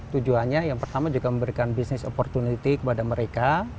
tujuannya yang pertama juga memberikan business opportunity kepada mereka